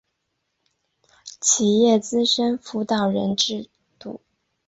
企业资深辅导人制度